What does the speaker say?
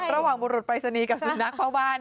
กฎระหว่างบุรุษไปรษณีย์กับสุนัขเผ่าบ้าน